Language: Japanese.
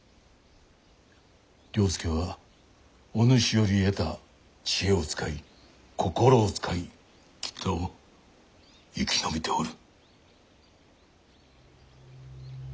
了助はお主より得た知恵を使い心を使いきっと生き延びておる。